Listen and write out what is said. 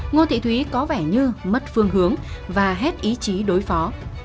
ngô thị thúy có vẻ như mất phương hướng và hết ý chí đối phó